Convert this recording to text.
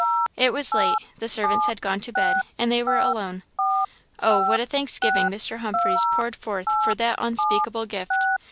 It was late; the servants had gone to bed, and they were alone. Oh! what a thanksgiving Mr. Humphreys poured forth for that "unspeakable gift!"